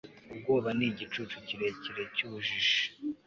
ubwoba ni igicucu kirekire cy'ubujiji